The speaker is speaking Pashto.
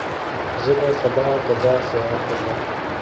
زه به سبا د باغ سیاحت وکړم.